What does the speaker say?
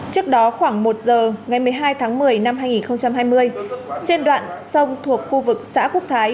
trước đó khoảng một giờ ngày một mươi hai tháng một mươi năm hai nghìn hai mươi trên đoạn sông thuộc khu vực xã quốc thái